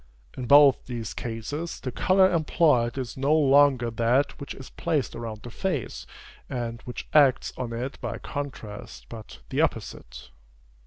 In both these cases, the color employed is no longer that which is placed around the face, and which acts on it by contrast, but the opposite.